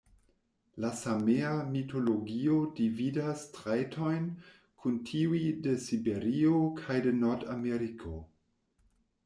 La Samea mitologio dividas trajtojn kun tiuj de Siberio kaj de Nordameriko.